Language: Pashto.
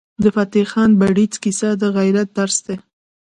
د فتح خان بړیڅ کیسه د غیرت درس دی.